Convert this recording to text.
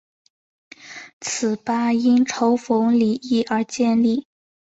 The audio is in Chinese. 此吧因嘲讽李毅而建立。